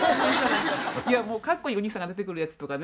いやもうかっこいいお兄さんが出てくるやつとかね。